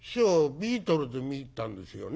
ビートルズ見たんですよね？」。